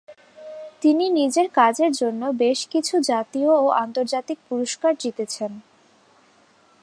তিনি নিজের কাজের জন্য বেশকিছু জাতীয় ও আন্তর্জাতিক পুরস্কার জিতেছেন।